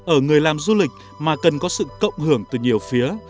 ở người làm du lịch mà cần có sự cộng hưởng từ nhiều phía